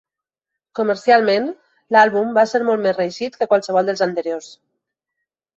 Comercialment l'àlbum va ser molt més reeixit que qualsevol dels anteriors.